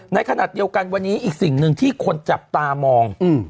ในขณะเดียวกันวันนี้อีกสิ่งหนึ่งที่คนจับตามอง